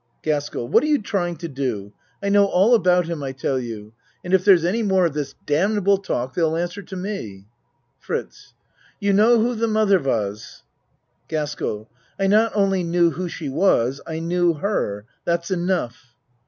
GASKELL What are you trying to do? I know all about him, I tell you, and if there's any more of this damnable talk they'll answer to me. FRITZ You know who the mother was? GASKELL I not only knew who she was I knew her. That's enough.